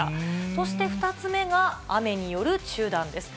そして、２つ目が雨による中断です。